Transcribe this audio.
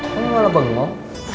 kamu malah bangun